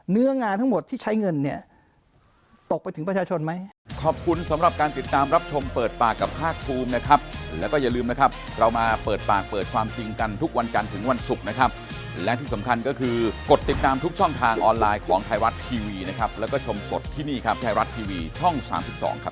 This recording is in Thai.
เนื้องานทั้งหมดที่ใช้เงินเนี่ยตกไปถึงประชาชนไหม